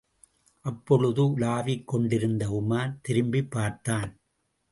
அப்பொழுது, உலாவிக் கொண்டிருந்த உமார் திரும்பிப் பார்த்தான்.